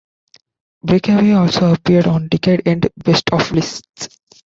"Breakaway" also appeared on decade-end best-of lists.